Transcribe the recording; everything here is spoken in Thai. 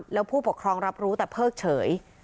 แล้วผู้ปกครองรับรู้แต่เพิกเฉย